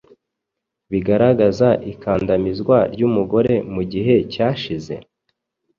bigaragaza ikandamizwa ry’umugore mu gihe cyashize?